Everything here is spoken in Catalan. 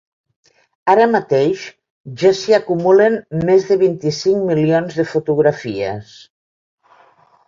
Ara mateix ja s’hi acumulen més de vint-i-cinc milions de fotografies.